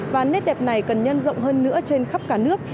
và nét đẹp này cần nhân rộng hơn nữa trên khắp cả nước